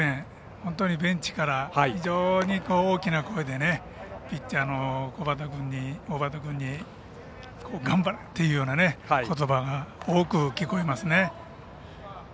本当にベンチから非常に大きな声で小畠君に頑張れというようなことばが多く聞こえますね。